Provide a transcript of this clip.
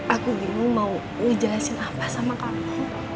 aku bingung mau ngejelasin apa sama kamu